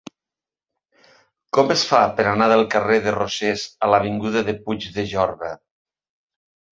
Com es fa per anar del carrer de Rosés a l'avinguda de Puig de Jorba?